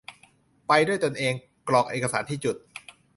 ไปด้วยตนเอง กรอกเอกสารที่จุด